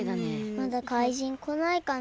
まだかいじんこないかな？